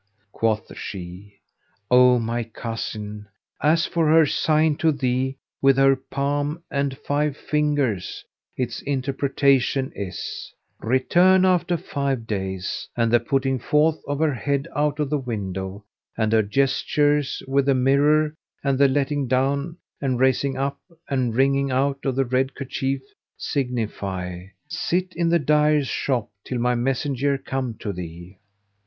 Quoth she, "O my cousin, as for her sign to thee with her palm and five fingers its interpretation is, Return after five days; and the putting forth of her head out of the window, and her gestures with the mirror and the letting down and raising up and wringing out of the red kerchief,[FN#494] signify, Sit in the dyer's shop till my messenger come to thee."